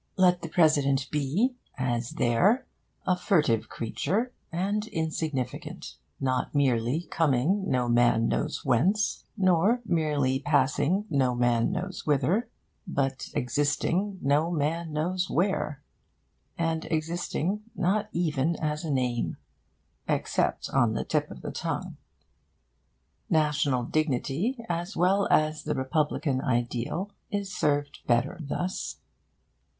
Let the President be, as there, a furtive creature and insignificant, not merely coming no man knows whence, nor merely passing no man knows whither, but existing no man knows where; and existing not even as a name except on the tip of the tongue. National dignity, as well as the republican ideal, is served better thus.